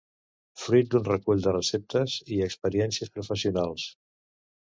fruit d'un recull de receptes i experiències professionals